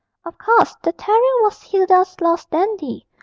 Of course the terrier was Hilda's lost Dandy.